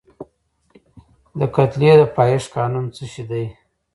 د کتلې د پایښت قانون څه شی دی؟